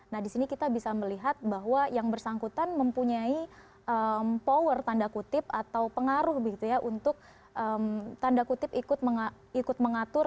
nah di sini kita bisa melihat bahwa yang bersangkutan mempunyai power tanda kutip atau pengaruh untuk tanda kutip ikut mengatur